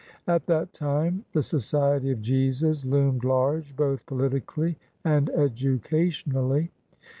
At that time the Society of Jesus loomed large both politically and edu* cationally.